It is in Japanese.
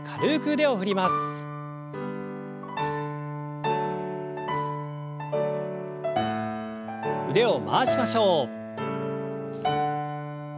腕を回しましょう。